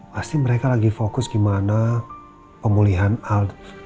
pasti mereka lagi fokus gimana pemulihan al